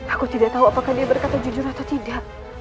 aku tidak tahu apakah dia berkata jujur atau tidak